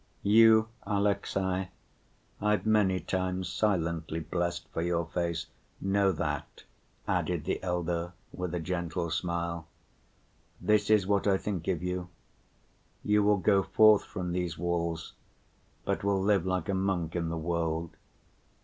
You, Alexey, I've many times silently blessed for your face, know that," added the elder with a gentle smile. "This is what I think of you, you will go forth from these walls, but will live like a monk in the world.